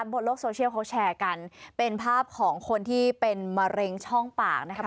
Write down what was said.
บนโลกโซเชียลเขาแชร์กันเป็นภาพของคนที่เป็นมะเร็งช่องปากนะครับ